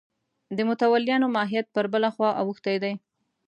د متولیانو ماهیت پر بله خوا اوښتی دی.